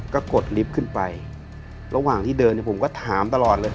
ก็กดลิฟต์ขึ้นไประหว่างที่เดินเนี่ยผมก็ถามตลอดเลย